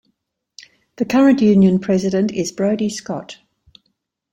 The current Union President is Brodie Scott.